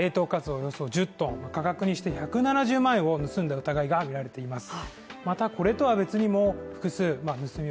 およそ１０ｔ価格にして１７０万円を盗んだ疑いがもたれています。